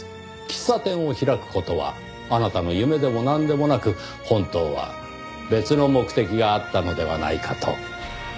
喫茶店を開く事はあなたの夢でもなんでもなく本当は別の目的があったのではないかと。